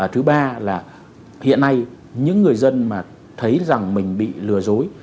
thứ ba là hiện nay những người dân mà thấy rằng mình bị lừa dối